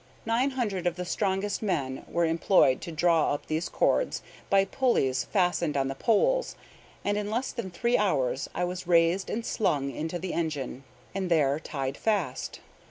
Nine hundred of the strongest men were employed to draw up these cords by pulleys fastened on the poles, and in less than three hours I was raised and slung into the engine, and there tied fast.